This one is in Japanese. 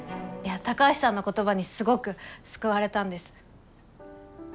いや高橋さんの言葉にすごく救われたんです。